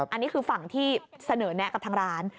อันนี้คือฝั่งที่เสนอแนะกับทางร้าน